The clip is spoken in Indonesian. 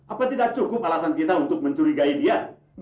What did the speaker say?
apa tidak cukup alasan kita untuk mencurigai dia